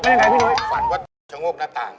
ยังไงพี่นุ้ยฝันว่าชะโงกหน้าต่าง